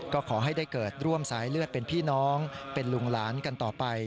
ก็ขอให้ได้เกิดร่วมสายเลือดเป็นพี่น้องเป็นลุงหลานกันต่อไป